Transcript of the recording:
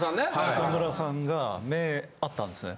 中村さんが目ぇ合ったんですね。